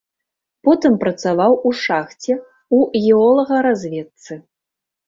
Потым працаваў у шахце, у геолагаразведцы.